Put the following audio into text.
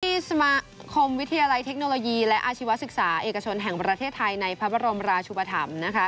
สมาคมวิทยาลัยเทคโนโลยีและอาชีวศึกษาเอกชนแห่งประเทศไทยในพระบรมราชุปธรรมนะคะ